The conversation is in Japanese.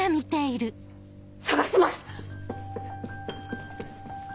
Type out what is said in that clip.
捜します！